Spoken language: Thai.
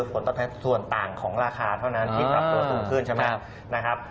ผลตอบแทนส่วนต่างของราคาเท่านั้นที่ปรับตัวสูงขึ้นใช่ไหมนะครับ